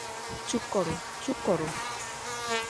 চুপ কর, চুপ কর।